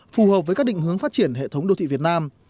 phù hợp với các định hướng phát triển hệ thống đô thị việt nam